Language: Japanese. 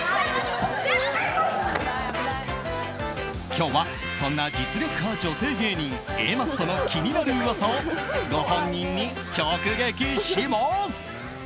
今日は、そんな実力派女性芸人、Ａマッソの気になる噂をご本人に直撃します。